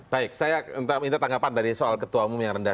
baik saya minta tanggapan dari soal ketua umum yang rendah